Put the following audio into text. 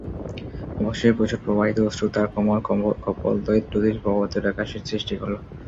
অবশেষে প্রচুর প্রবাহিত অশ্রু তাঁর কোমল কপোলদ্বয়ে দুটি প্রবাহ-রেখা সৃষ্টি করল।